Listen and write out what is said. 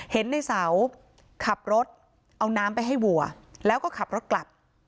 เห็นในเสาขับรถเอาน้ำไปให้วัวแล้วก็ขับรถกลับ